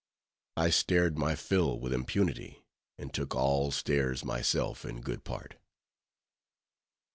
_ I stared my fill with impunity, and took all stares myself in good part.